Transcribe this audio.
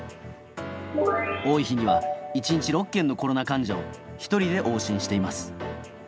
多い日には１日６件のコロナ患者を１人で往診しています。